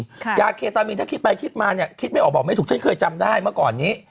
ยาเคตามีนถ้าคิดไปคิดมาเนี่ยคิดไม่ออกบอกไม่ถูกฉันเคยจำได้เมื่อก่อนนี้